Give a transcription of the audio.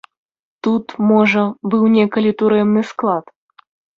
Тут, можа, быў некалі турэмны склад.